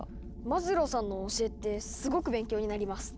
マズローさんの教えってすごく勉強になります。